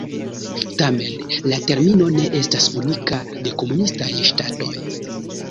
Tamen, la termino ne estas unika de komunistaj ŝtatoj.